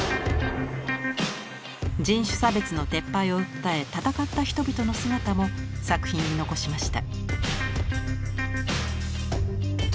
人種差別の撤廃を訴えたたかった人々の姿も作品に残しました。